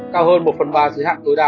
cao hơn một phần ba dưới hạng tối đa